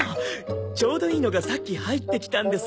ちょうどいいのがさっき入ってきたんです。